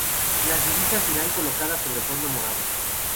Las divisas irán colocadas sobre fondo morado.